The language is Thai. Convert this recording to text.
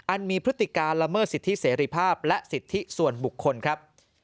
มีพฤติการละเมิดสิทธิเสรีภาพและสิทธิส่วนบุคคลครับ